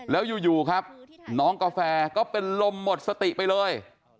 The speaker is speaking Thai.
แล้วอยู่ครับน้องกาแฟก็เป็นลมหมดสติไปเลย